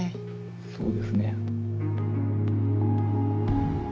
そうですね。